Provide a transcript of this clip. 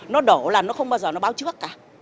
nó đổ là nó không bao giờ nó báo trước cả